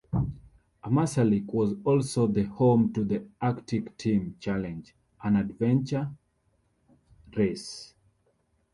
Ammassalik was also the home to the Arctic Team Challenge, an adventure race.